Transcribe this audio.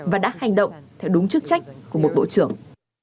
và đã hành động theo đúng chức trách của một bộ trưởng